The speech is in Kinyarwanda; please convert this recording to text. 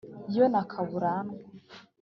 yo na kaburantwa;